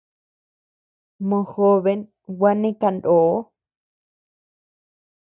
Mojoben gua neʼe kanó.